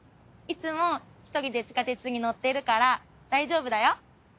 いつも１人で地下鉄に乗ってるから大丈夫だよ。